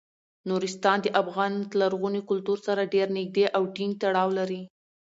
نورستان د افغان لرغوني کلتور سره ډیر نږدې او ټینګ تړاو لري.